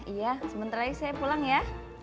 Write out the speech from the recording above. iya sebentar lagi saya pulang ya